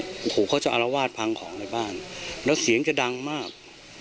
โอ้โหเขาจะอารวาสพังของในบ้านแล้วเสียงจะดังมาก